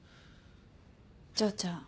丈ちゃん